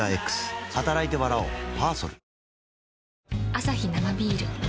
アサヒ生ビール